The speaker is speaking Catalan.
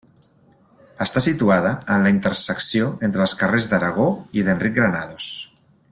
Està situada en la intersecció entre els carrers d'Aragó i d'Enric Granados.